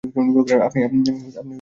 আপনি তার সাথে কি করছেন?